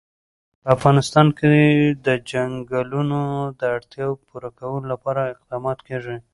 په افغانستان کې د چنګلونه د اړتیاوو پوره کولو لپاره اقدامات کېږي.